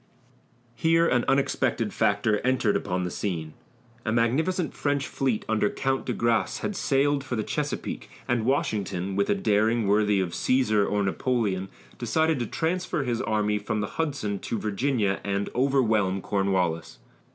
Here an unexpected factor entered upon the scene. A magnificent French fleet under Count de Grasse had sailed for the Chesapeake, and Washington, with a daring worthy of Cæsar or Napoleon, decided to transfer his army from the Hudson to Virginia and overwhelm Cornwallis.